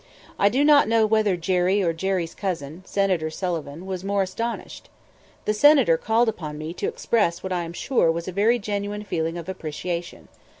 I do not know whether Jerry or Jerry's cousin (Senator Sullivan) was more astonished. The Senator called upon me to express what I am sure was a very genuine feeling of appreciation.